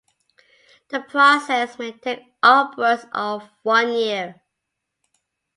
The process may take upwards of one year.